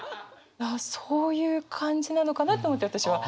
そういう感じなのかなと思って私は。